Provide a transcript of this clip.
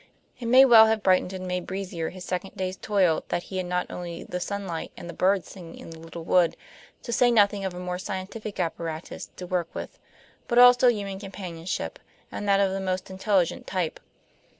It may well have brightened and made breezier his second day's toil that he had not only the sunlight and the bird's singing in the little wood, to say nothing of a more scientific apparatus to work with, but also human companionship, and that of the most intelligent type.